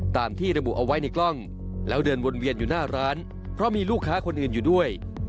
ตามที่ระบุเอาไว้ในกล้องแล้วเดินวนเวียนอยู่หน้าร้านเพราะมีลูกค้าคนอื่นอยู่ด้วย